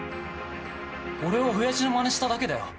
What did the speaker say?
俺は親父の真似しただけだよ。